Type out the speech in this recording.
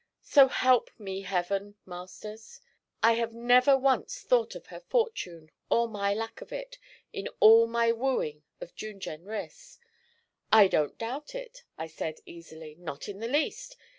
So help me heaven, Masters, I never once thought of her fortune, or my lack of it, in all my wooing of June Jenrys!' 'I don't doubt it,' I said easily, 'not in the least.